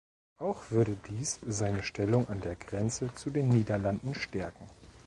Auch würde dies seine Stellung an der Grenze zu den Niederlanden stärken.